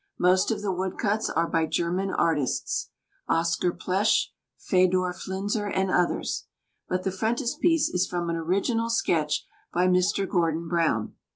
Most of the woodcuts are by German artists, Oscar Pletsch, Fedor Flinzer, and others; but the frontispiece is from an original sketch by Mr. Gordon Browne.